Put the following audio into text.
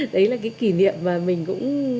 đấy là cái kỷ niệm mà mình cũng